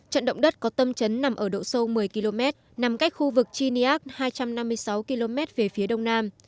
trận động đất có tâm trấn nằm ở độ sâu một mươi km nằm cách khu vực chiac hai trăm năm mươi sáu km về phía đông nam